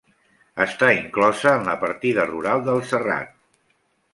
Està inclosa en la partida rural del Serrat.